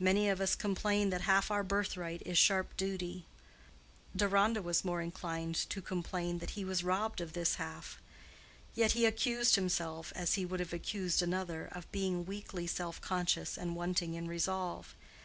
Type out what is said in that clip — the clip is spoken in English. Many of us complain that half our birthright is sharp duty: Deronda was more inclined to complain that he was robbed of this half; yet he accused himself, as he would have accused another, of being weakly self conscious and wanting in resolve.